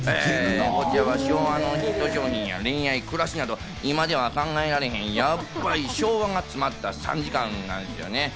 こちらは昭和のヒット商品や恋愛、暮らしなど今では考えられへんヤバい昭和が詰まった３時間なんですよね。